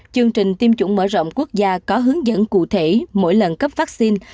chương trình tiêm chủng mở rộng quốc gia có hướng dẫn cụ thể mỗi lần cấp vaccine